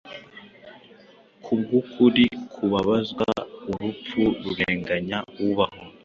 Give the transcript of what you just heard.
Kubwukuri kubabazwa urupfu rurenganya, ubaho